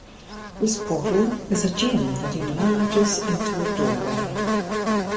This portal is a gem that enlarges into a doorway.